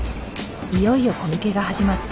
いよいよコミケが始まった。